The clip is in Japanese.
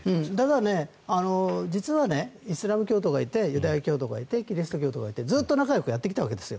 だから、実はイスラム教徒がいてユダヤ教徒がいてキリスト教徒がいてずっと仲よくやってきたわけです。